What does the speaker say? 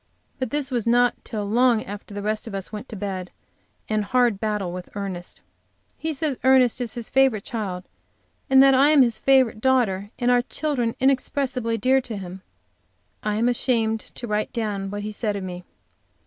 But this was not till long after the rest of us went to bed, and a hard battle with Ernest. He says Ernest is his favorite child, and that I am his favorite daughter, and our children inexpressibly dear to him. I am ashamed to write down what he said of me.